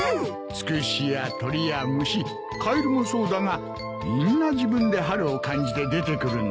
ツクシや鳥や虫カエルもそうだがみんな自分で春を感じて出てくるんだ。